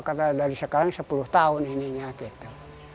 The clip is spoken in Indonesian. karena dari sekarang sepuluh tahun ininya gitu